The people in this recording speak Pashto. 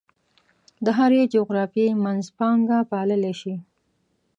د هرې جغرافیې منځپانګه پاللی شي.